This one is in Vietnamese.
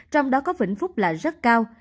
trong đó có vĩnh phúc là rất cao